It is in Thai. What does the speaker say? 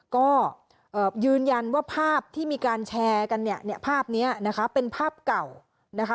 ก็ยืนยันว่าภาพที่มีการแชร์กันเนี่ยภาพนี้นะคะเป็นภาพเก่านะคะ